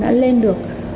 đã lên được